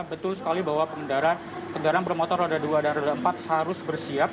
betul sekali bahwa pengendara kendaraan bermotor roda dua dan roda empat harus bersiap